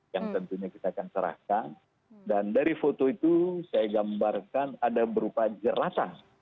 yang tentunya kita akan serahkan dan dari foto itu saya gambarkan ada berupa jeratan